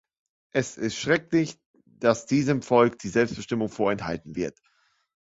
Es ist schrecklich, dass diesem Volk die Selbstbestimmung vorenthalten wird.